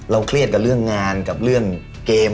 เครียดกับเรื่องงานกับเรื่องเกม